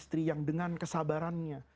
istri yang dengan kesabarannya